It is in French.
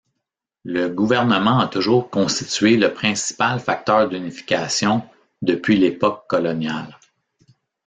Le gouvernement a toujours constitué le principal facteur d’unification depuis l’époque coloniale.